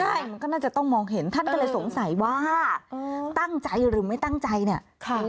ใช่มันก็น่าจะต้องมองเห็นท่านก็เลยสงสัยว่าตั้งใจหรือไม่ตั้งใจเนี่ย